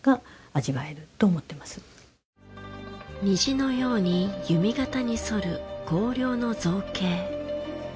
虹のように弓形に反る虹梁の造形。